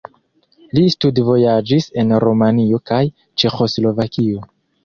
Li studvojaĝis en Rumanio kaj Ĉeĥoslovakio.